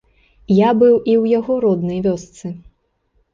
Я быў і ў яго роднай вёсцы.